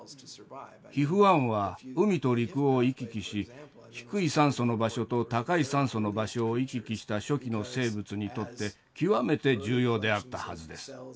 ＨＩＦ−１は海と陸を行き来し低い酸素の場所と高い酸素の場所を行き来した初期の生物にとって極めて重要であったはずです。